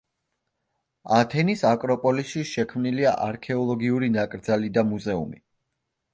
ათენის აკროპოლისში შექმნილია არქეოლოგიური ნაკრძალი და მუზეუმი.